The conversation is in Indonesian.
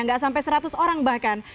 nggak sampai seratus orang bahkan